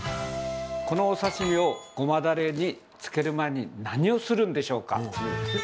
このお刺身をごまだれに漬ける前に何をするんでしょう？